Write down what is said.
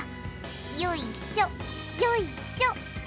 よいしょ、よいしょ。